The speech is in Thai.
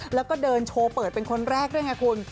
แล้วก็เดินโชว์เปิดเป็นคนแรกด้วยไงคุณ